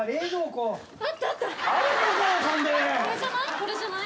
これじゃない？